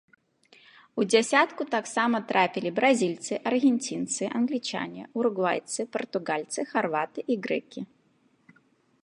У дзясятку таксама трапілі бразільцы, аргенцінцы, англічане, уругвайцы, партугальцы, харваты і грэкі.